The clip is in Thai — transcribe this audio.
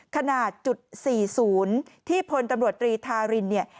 ขนาดจุด๔๐ที่พลตำรวจตรีทารินเนี่ย